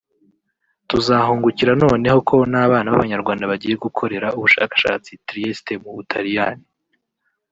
tuzahungukira noneho ko n’Abana b’Abanyarwanda bagiye gukorera ubushakashatsi Trieste mu Butaliyani